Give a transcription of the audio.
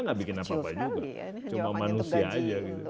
nggak bikin apa apa juga cuma manusia aja